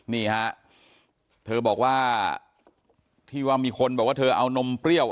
นี่ฮะเธอบอกว่าที่ว่ามีคนบอกว่าเธอเอานมเปรี้ยว